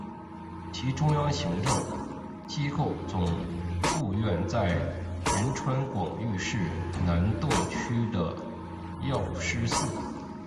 其中央行政机构总务院在仁川广域市南洞区的药师寺。